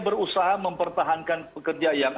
berusaha mempertahankan pekerja yang